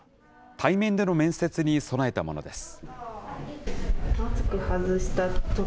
対面での面接に備えたものです。